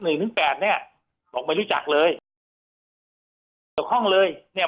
หนึ่งถึงแปดเนี้ยบอกไม่รู้จักเลยหลอกห้องเลยเนี้ย